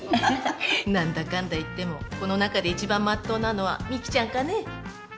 何だかんだ言ってもこの中で一番まっとうなのはミキちゃんかねえ。